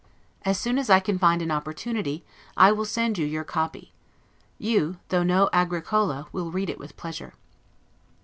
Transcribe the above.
As soon as I can find an opportunity, I will send you your copy. You (though no Agricola) will read it with pleasure.